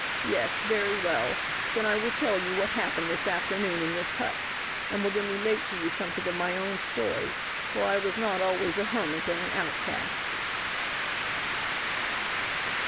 Yes, very well, then I will tell you what happened this afternoon in this hut, and will then relate to you something of my own story for I was not always a hermit and an outcast."